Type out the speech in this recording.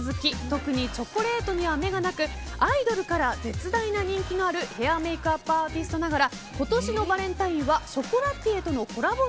特にチョコレートには目がなくアイドルから絶大な人気のあるヘアメイクアップアーティストながら今年のバレンタインはショコラティエとのコラボ